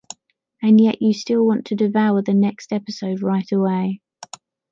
And yet, you still want to devour the next episode right away.